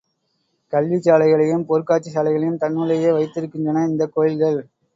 கல்விச்சாலைகளையும், பொருட்காட்சி சாலைகளையும் தன்னுள்ளேயே வைத்திருக்கின்றன இந்தக் கோயில்கள்.